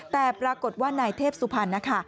แต่ปรากฏว่านายเทพสุพรรณนะคะ